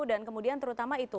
dan kemudian terutama itu